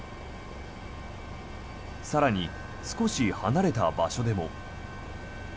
更に、少し離れた場所でも。